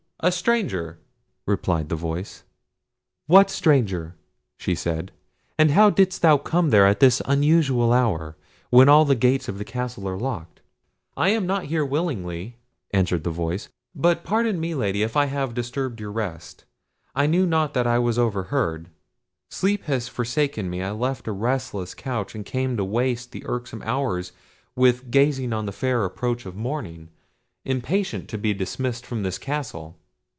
"A stranger," replied the voice. "What stranger?" said she; "and how didst thou come there at this unusual hour, when all the gates of the castle are locked?" "I am not here willingly," answered the voice. "But pardon me, Lady, if I have disturbed your rest; I knew not that I was overheard. Sleep had forsaken me; I left a restless couch, and came to waste the irksome hours with gazing on the fair approach of morning, impatient to be dismissed from this castle."